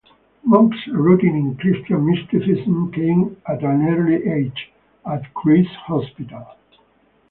Monk's rooting in Christian mysticism came at an early age, at Christ's Hospital.